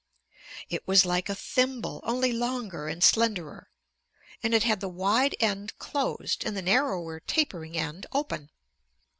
It was like a thimble, only longer and slenderer, and it had the wide end closed and the narrower tapering end open.